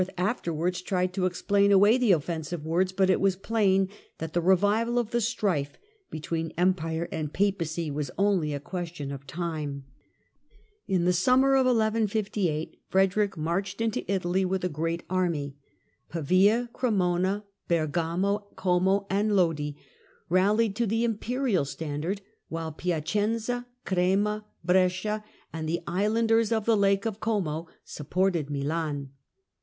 afterwards tried to explain away the offensive words, but it was plain that the revival of the strife between Empire and Papacy was only a question of time. In the summer of 1158 Frederick marched into Italy FREDERICK I. AND THE LOMBARD COMMUNES 157 with a great army. Pa via, Cremona, Bergamo, Como and Frederick Lodi rallied to the imperial standard, while Piacenza, Crema, Italian Ex Brescia and the islanders of the Lake of Como supported 1158*^°^' Milan.